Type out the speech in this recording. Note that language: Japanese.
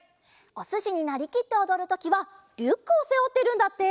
おすしになりきっておどるときはリュックをせおってるんだって！